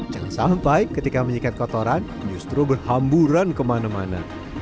jangan sampai ketika menyikat kotoran justru berhamburan kemana mana